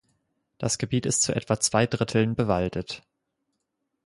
Das Gebiet ist zu etwa zwei Dritteln bewaldet.